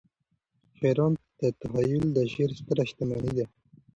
شاعرانه تخیل د شعر ستره شتمنۍ ده.